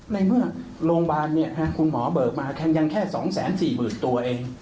ในเมื่อโรงพยาบาลคุณหมอเบิกมายังแค่๒๔๐๐๐ตัวเอง